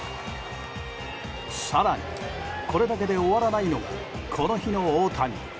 更に、これだけで終わらないのがこの日の大谷。